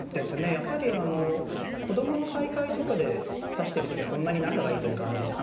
やはりあの子供の大会とかで指してる時はそんなに仲がいいという感じじゃ。